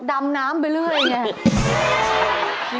ดำน้ำไปเรื่อยอย่างนี้